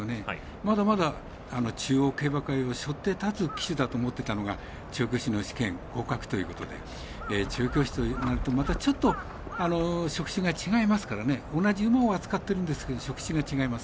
まだまだ中央競馬会をしょって立つ騎手だと思ってたのですが調教師の試験合格ということで調教師となるとまたちょっと職種が違いますから同じ馬を扱ってるんですけど職種が違います。